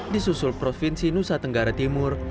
disusul provinsi nusa tenggara timur